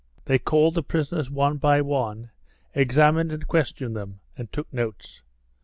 They called the prisoners one by one, examined and questioned them, and took notes.